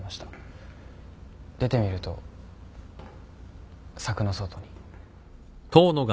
出てみると柵の外に。